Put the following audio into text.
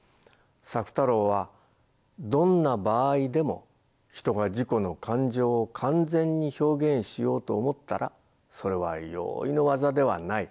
朔太郎は「どんな場合でも人が自己の感情を完全に表現しようと思ったらそれは容易のわざではない。